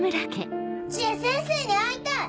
知恵先生に会いたい！